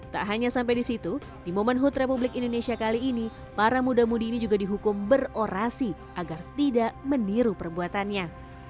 tak hanya sampai di situ di momen hood republik indonesia kali ini para muda mudi ini juga dihukum berorasi agar tidak meniru perbuatannya